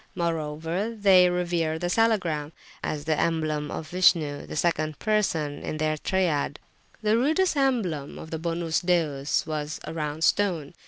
Moreover, they revere the Salagram, as the emblem of Vishnu, the second person in their triad. The rudest emblem of the Bonus Deus was a round stone.